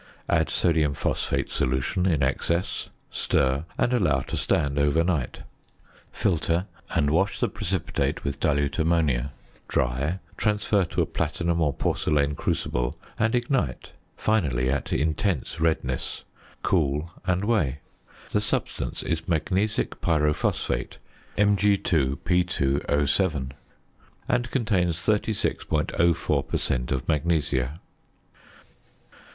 Add sodium phosphate solution in excess, stir and allow to stand overnight. Filter and wash the precipitate with dilute ammonia. Dry, transfer to a platinum or porcelain crucible, and ignite (finally at intense redness); cool, and weigh. The substance is magnesic pyrophosphate (Mg_P_O_), and contains 36.04 per cent. of magnesia.